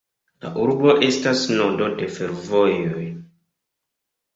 La urbo estas nodo de fervojoj.